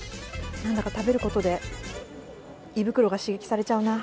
食べることで胃袋が刺激されちゃうな。